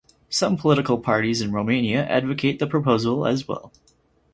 Some political parties in Romania advocate the proposal as well.